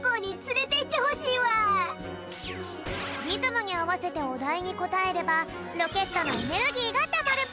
リズムにあわせておだいにこたえればロケットのエネルギーがたまるぴょん。